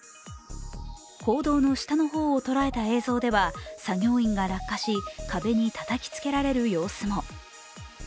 坑道の下の方を捉えた映像では作業員が落下し、壁にたたきつけられる様子も。